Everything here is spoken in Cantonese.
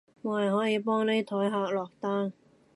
無人可以幫呢枱客落單